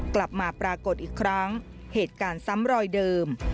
กลับมาปรากฏอีกครั้งเหตุการณ์ซ้ำรอยเดิม